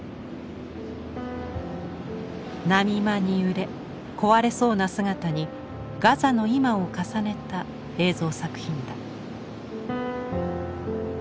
波間に揺れ壊れそうな姿にガザの今を重ねた映像作品だ。